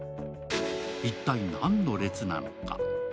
一体何の列なのか。